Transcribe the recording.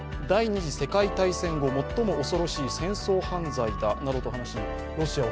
第二次世界大戦後、最も恐ろしい戦争犯罪だなどと話し